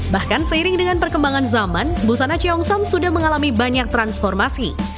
bahkan seiring dengan perkembangan zaman busana ceongsam sudah mengalami banyak transformasi